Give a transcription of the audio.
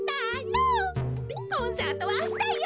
コンサートはあしたよ！